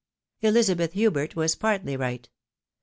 Ehzabeth Hubert was partly right.